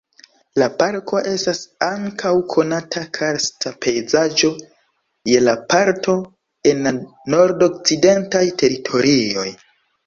La parko estas ankaŭ konata karsta pejzaĝo je la parto en la Nordokcidentaj Teritorioj.